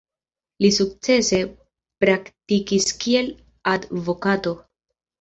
Li sukcese praktikis kiel advokato.